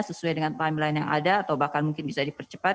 sesuai dengan timeline yang ada atau bahkan mungkin bisa dipercepat